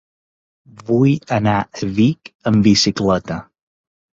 Vull anar a Vic amb bicicleta.